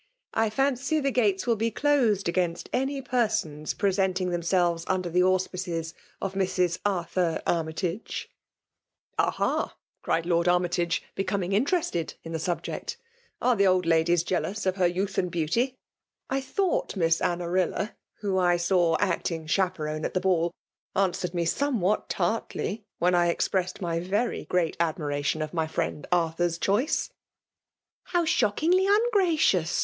'* I fancy the gates will be cksed against any persons presenting themselves under the auspices of Mrs. Arthur Army<» tage." k FBHALE BOMINATION. SS 'f'Aliai" cried Lord Armytage^ beaomltig mteicsted m the subject ; ^f are the old 3»dio« jealoas of her youdi and beauty 1 — I thought Miss Anarilla, whom I saw acting chaperon at the ball^ answered me somewhat tartly when I expressed my very great admiratic^ ^.my friend Arthur's choice.*' *' How shooldngly ungracious